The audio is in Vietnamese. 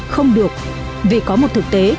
không được vì có một thực tế